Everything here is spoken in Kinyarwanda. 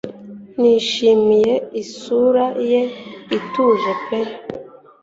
Nishimiye isura ye ituje pe